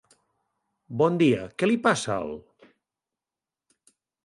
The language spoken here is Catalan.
Bon dia, què li passa al??